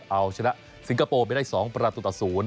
เอาชนะสิงคโป้ไปได้๒ประตูตะศูนย์